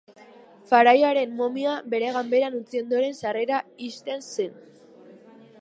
Faraoiaren momia bere ganberan utzi ondoren sarrera ixten zen.